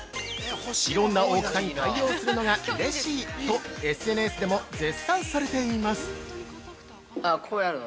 「いろんな大きさに対応するのがうれしい！」とＳＮＳでも絶賛されています。